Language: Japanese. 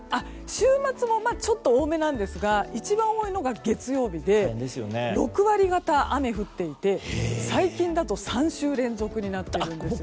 週末も多めなんですが一番多いのが月曜日で６割がた雨が降っていて最近だと３週連続なんです。